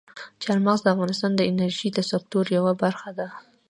چار مغز د افغانستان د انرژۍ د سکتور یوه برخه ده.